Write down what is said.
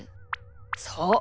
そう。